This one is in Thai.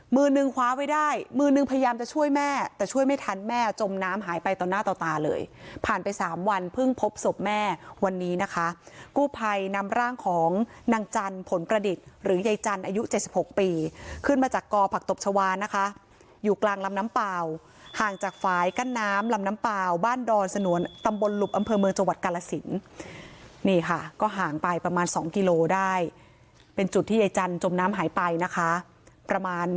มือหนึ่งคว้าไว้ได้มือหนึ่งพยายามจะช่วยแม่แต่ช่วยไม่ทันแม่จมน้ำหายไปตอนหน้าต่อตาเลยผ่านไปสามวันเพิ่งพบศพแม่วันนี้นะคะกู้ภัยนำร่างของนางจันผลประดิษฐ์หรือใยจันอายุเจ็ดสิบหกปีขึ้นมาจากกอผักตบชาวานะคะอยู่กลางลำน้ำเปล่าห่างจากฝายกั้นน้ำลำน้ำเปล่าบ้านดอนสนวนตำบลลุบอำเภอเ